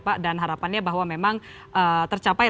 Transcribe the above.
dengan harapannya bahwa memang tercapai